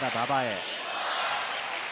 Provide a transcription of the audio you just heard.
吉井から馬場へ。